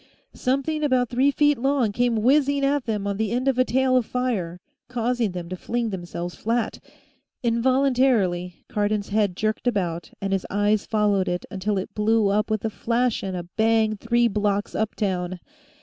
Something about three feet long came whizzing at them on the end of a tail of fire, causing them to fling themselves flat; involuntarily, Cardon's head jerked about and his eyes followed it until it blew up with a flash and a bang three blocks uptown.